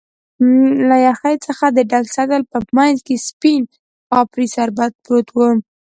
له یخی څخه د ډک سطل په مینځ کې سپین کاپري شربت پروت و.